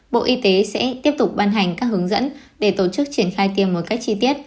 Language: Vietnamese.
bộ y tế sẽ tiếp tục ban hành các hướng dẫn để tổ chức triển khai tiêm một cách chi tiết